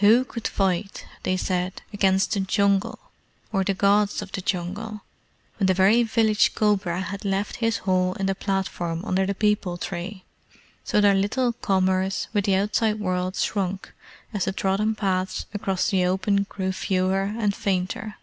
Who could fight, they said, against the Jungle, or the Gods of the Jungle, when the very village cobra had left his hole in the platform under the peepul tree? So their little commerce with the outside world shrunk as the trodden paths across the open grew fewer and fainter.